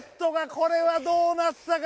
これはどうなったか？